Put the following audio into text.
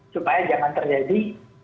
supaya jangan terjadi